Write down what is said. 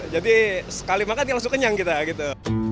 jadi sekali makan langsung kenyang kita gitu